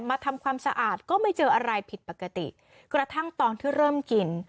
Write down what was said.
ทำความสะอาดก็ไม่เจออะไรผิดปกติกระทั่งตอนที่เริ่มกิน